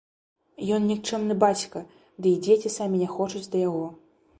Ён нікчэмны бацька, ды і дзеці самі не хочуць да яго.